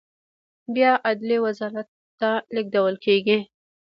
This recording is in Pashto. بیا عدلیې وزارت ته لیږل کیږي.